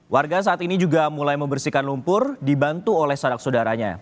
warga saat ini juga mulai membersihkan lumpur dibantu oleh sanak saudaranya